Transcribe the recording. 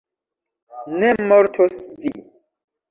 Ne mortos vi.